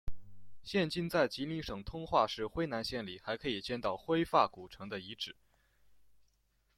现今在吉林省通化市辉南县里还可以见到辉发古城的遗址。